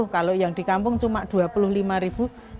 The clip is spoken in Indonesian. kalau yang di kampung cuma dua puluh lima ribu